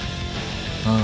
ああ。